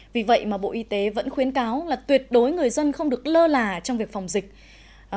vì vậy mà bộ y tế vẫn khuyến cáo là tuyệt đối người dân không được lơ là trong việc phòng dịch